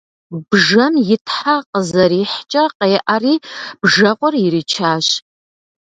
Бжэм и тхьэ къызэрихькӏэ къеӏэри бжэкъур иричащ.